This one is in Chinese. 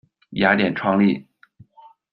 雅典创立。